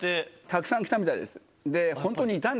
たくさん来たみたいです。